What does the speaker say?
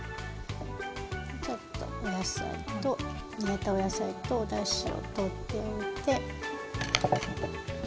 ちょっとお野菜と煮えたお野菜とおだしを取っておいて。